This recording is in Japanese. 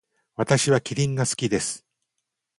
私はキリンが好きです。